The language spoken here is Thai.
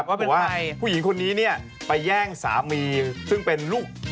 ว่าเป็นว่าผู้หญิงคนนี้เนี่ยไปแย่งสามีซึ่งเป็นลูก